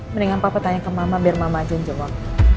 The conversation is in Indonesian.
mendingan papa tanya ke mama biar mama aja yang jawab